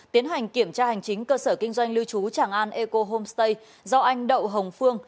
tiến hành kiểm tra hành chính cơ sở kinh doanh lưu trú tràng an eco homestay do anh đậu hồng phương